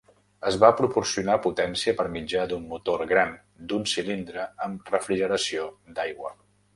Es va proporcionar potència per mitjà d"un motor gran d"un cilindre amb refrigeració d"aigua.